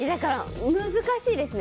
難しいですね。